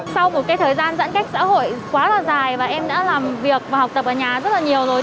sau một thời gian giãn cách xã hội quá là dài và em đã làm việc và học tập ở nhà rất là nhiều rồi